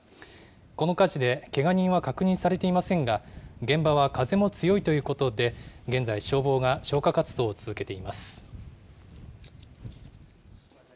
この火事でけが人は確認されていませんが、現場は風も強いということで、現在、消防が消火活動を続けています。